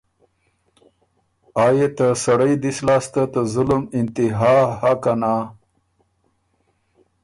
آ يې ته سړئ دِس لاسته ته ظلم انتها هۀ که نا۔